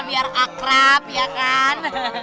biar akrab ya kan